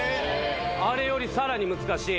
あれよりさらに難しい。